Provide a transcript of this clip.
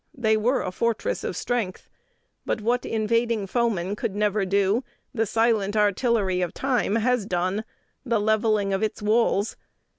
They were a fortress of strength; but what invading foeman could never do, the silent artillery of time has done, the levelling of its walls.